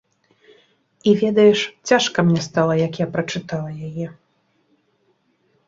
І, ведаеш, цяжка мне стала, як я прачытала яе.